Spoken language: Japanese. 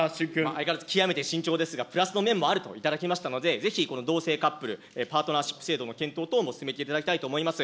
相変わらず極めて慎重ですが、プラスの面もあると頂けましたので、ぜひこの同性カップル、パートナーシップ制度の検討等も進めていただきたいと思います。